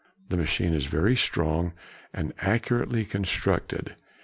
The machine is very strongly and accurately constructed.